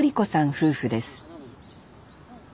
夫婦です